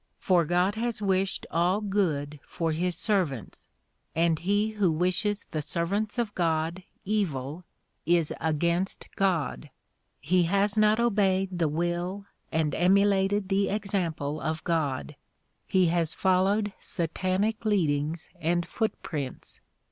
For God has wished all good for his servants, and he who wishes the servants of God evil is against God; he has not obeyed the will and emulated the example of God ; he has followed satanic leadings and foot prints.